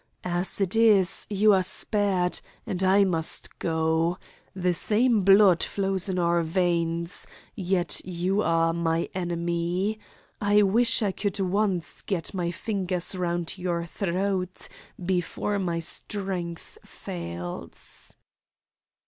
As it is, you are spared, and I must go. The same blood flows in our veins, yet you are my enemy. I wish I could once get my fingers round your throat before my strength fails."